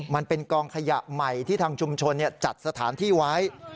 มันเป็นกองขยะใหม่ที่ทางชุมชนจัดสถานที่ไว้